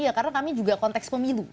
ya karena kami juga konteks pemilu